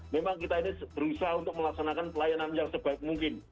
memang kita ini berusaha untuk melaksanakan pelayanan yang sebaik mungkin